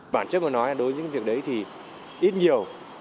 bản chất mà nói đối với những việc đấy thì ít nhiều